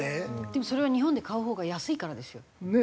でもそれは日本で買うほうが安いからですよ。